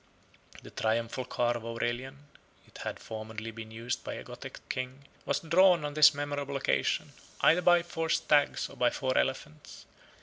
The triumphal car of Aurelian (it had formerly been used by a Gothic king) was drawn, on this memorable occasion, either by four stags or by four elephants.